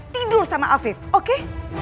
tidur sama hafif oke